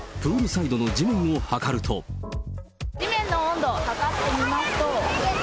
地面の温度を測ってみますと。